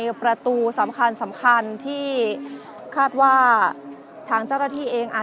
เมื่อเวลาอันดับสุดท้ายเมื่อเวลาอันดับสุดท้าย